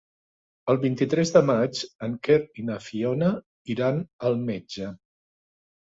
El vint-i-tres de maig en Quer i na Fiona iran al metge.